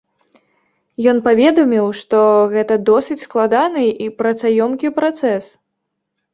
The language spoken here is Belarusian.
Ён паведаміў, што гэта досыць складаны і працаёмкі працэс.